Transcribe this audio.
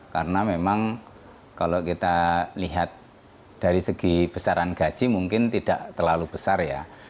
karena memang kalau kita lihat dari segi besaran gaji mungkin tidak terlalu besar ya